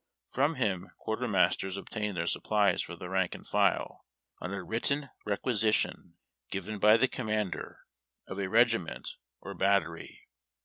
From him quartermasters obtained their supplies for the rank and tile, on a written requisition given by the commander of a regiment or bat tery.